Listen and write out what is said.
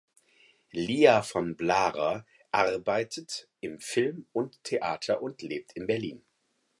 Lia von Blarer arbeitet im Film und Theater und lebt in Berlin.